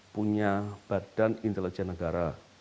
punya badan intelijen negara